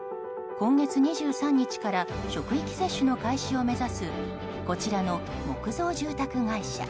今月２３日から職域接種の開始を目指すこちらの木造住宅会社。